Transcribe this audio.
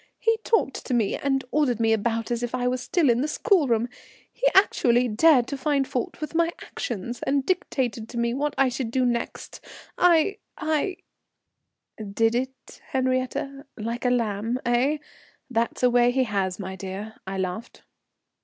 He talked to me and ordered me about as if I was still in the schoolroom, he actually dared to find fault with my actions, and dictated to me what I should do next. I I " "Did it, Henriette? Like a lamb, eh? That's a way he has, my dear," I laughed.